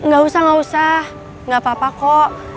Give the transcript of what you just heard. gak usah gak usah nggak apa apa kok